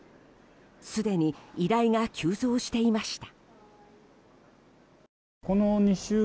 すでに依頼が急増していました。